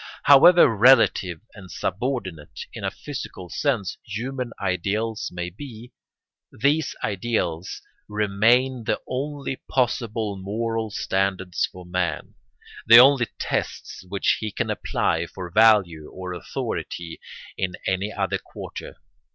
However relative and subordinate, in a physical sense, human ideals may be, these ideals remain the only possible moral standards for man, the only tests which he can apply for value or authority, in any other quarter.